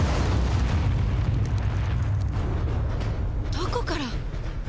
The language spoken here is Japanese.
どこから！？